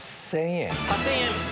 ８０００円。